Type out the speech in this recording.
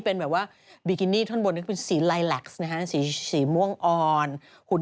นั่นมันแว่งตาหรืออายแพ็ดไหมคุณ